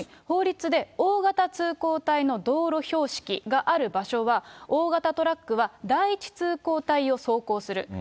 法律で、大型通行帯の道路標識がある場所は、大型トラックは、第１通行帯を走行する。